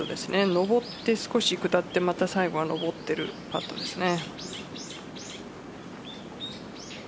上って少し下ってまた最後少し上っているパットですね。